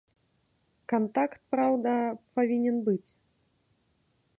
Кантакт, праўда, павінен быць.